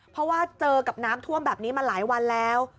เพราะว่าเจอกับน้ำท่วมแบบนี้มาหลายวันแล้ว